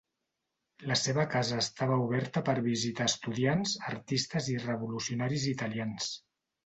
La seva casa estava oberta per visitar estudiants, artistes i revolucionaris italians.